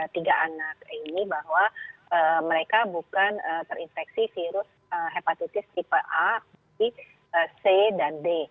tiga anak ini bahwa mereka bukan terinfeksi virus hepatitis tipe a b c dan d